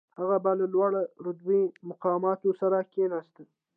هغه به له لوړ رتبه مقاماتو سره کښېناسته.